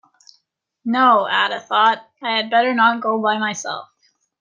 No, Ada thought I had better not go by myself.